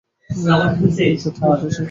কি যাতা বলছে সে?